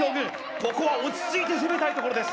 ここは落ち着いて攻めたいところです